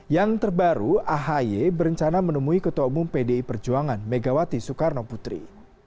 yang terbaru ahy berencana menemui ketua umum pdi perjuangan megawati soekarno putri